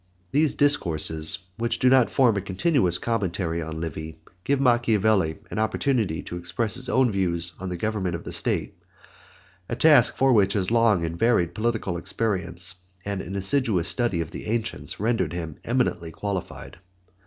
These Discourses, which do not form a continuous commentary on Livy, give Machiavelli an opportunity to express his own views on the government of the state, a task for which his long and varied political experience, and an assiduous study of the ancients rendered him eminently qualified.